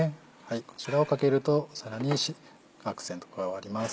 こちらをかけるとさらにアクセント加わります。